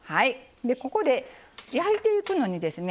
ここで焼いていくのにですね